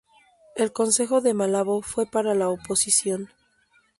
El Consejo de Malabo fue para la oposición.